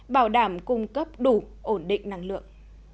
bảo đảm cung cấp đủ ổn định năng lượng